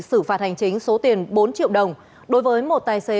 xử phạt hành chính số tiền bốn triệu đồng đối với một tài xế